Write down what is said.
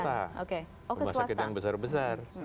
rumah sakit yang besar besar